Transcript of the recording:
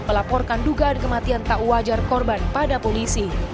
melaporkan dugaan kematian tak wajar korban pada polisi